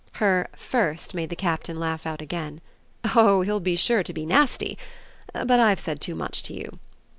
Her "first" made the Captain laugh out again. "Oh he'll be sure to be nasty! But I've said too much to you."